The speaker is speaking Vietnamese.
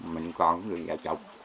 mình còn cũng được vài chục